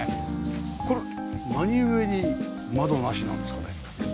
これ何ゆえに窓なしなんですかね？